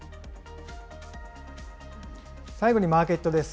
最後にマーケットです。